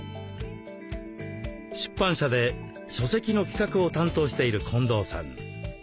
出版社で書籍の企画を担当している近藤さん。